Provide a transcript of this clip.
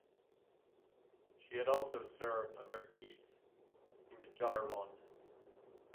She had also served under Kieth in the Gironde.